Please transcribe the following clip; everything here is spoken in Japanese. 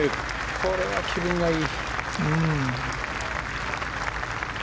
これは気分がいい。